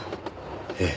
ええ。